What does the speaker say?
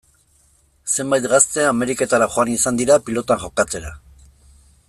Zenbait gazte Ameriketara joan izan dira pilotan jokatzera.